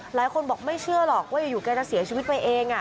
หลายคนบอกไม่เชื่อหรอกว่าอยู่แกจะเสียชีวิตไปเอง